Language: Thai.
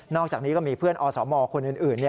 อกจากนี้ก็มีเพื่อนอสมคนอื่น